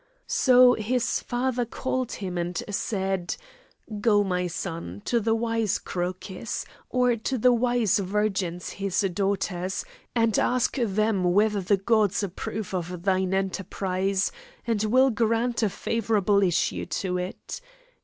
So his father called him, and said, "Go, my son, to the wise Crocus, or to the wise virgins his daughters, and ask them whether the gods approve of thine enterprise, and will grant a favourable issue to it.